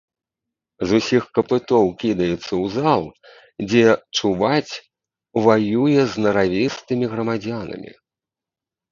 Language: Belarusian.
З усіх капытоў кідаецца ў зал, дзе, чуваць, ваюе з наравістымі грамадзянамі.